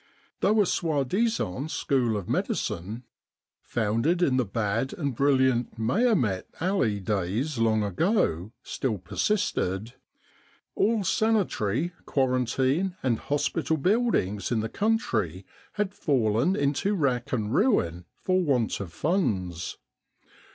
Though a soi disant School of Medicine, founded in the bad and brilliant Mehemet Ali days long ago, still persisted, all sanitary, quarantine and hospital buildings in the country had fallen into rack and ruin for want of funds.